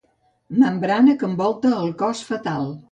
Membrana que envolta el cos fetal.